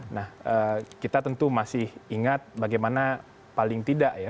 nah kita tentu masih ingat bagaimana paling tidak ya